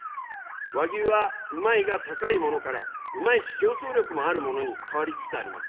和牛はうまいが高いものから、うまいし競争力もあるものに変わりつつあります。